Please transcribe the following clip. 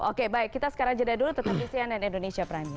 oke baik kita sekarang jeda dulu tetap di cnn indonesia prime news